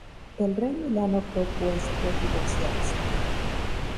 El rey Milan optó pues por divorciarse.